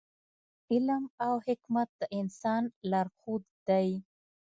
علم او حکمت د انسان لارښود دی.